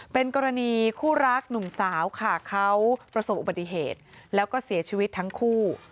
เป็นกรณีคู่รักหนุ่มสาวค่ะเขาประสบอุบัติเหตุแล้วก็เสียชีวิตทั้งคู่